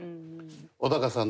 小高さん